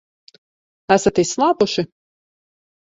Esat izslāpuši?